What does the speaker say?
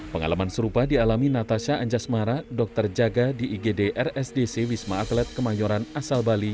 pengalaman serupa dialami natasha anjasmara